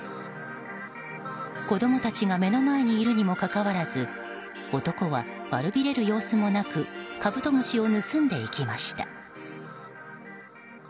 子供たちが目の前にいるにもかかわらず男は悪びれる様子もなくカブトムシを盗んでいきました。